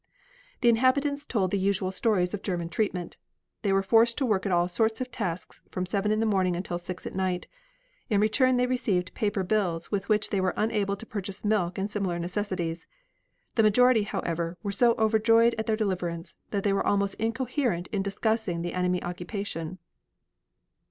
The inhabitants told the usual stories of German treatment. They were forced to work at all sorts of tasks from seven in the morning until six at night. In return they received paper bills with which they were unable to purchase milk and similar necessities. The majority, however, were so overjoyed at their deliverance that they were almost incoherent in discussing the enemy occupation.